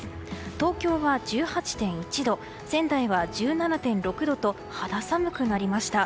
東京は１８．１度仙台は１７．６度と肌寒くなりました。